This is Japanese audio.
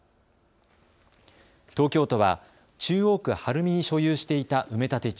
東京都は中央区晴海に所有していた埋め立て地